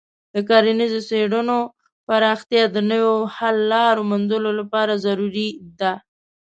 د کرنیزو څیړنو پراختیا د نویو حل لارو موندلو لپاره ضروري ده.